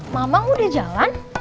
kamu udah jalan